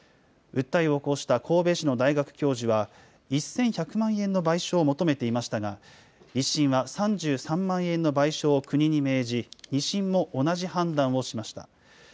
訴えを起こした神戸市の大学教授は、１１００万円の賠償を求めていましたが、１審は３３万円の賠償を国に命じ、２審も同じ判断をしました。